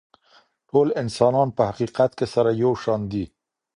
ټول انسانان په حقیقت کي سره یو شان دي.